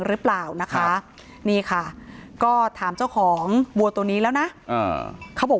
หรือเปล่านะคะนี่ค่ะก็ถามเจ้าของวัวตัวนี้แล้วนะเขาบอก